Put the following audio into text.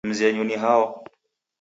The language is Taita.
Mzenyu ni hao?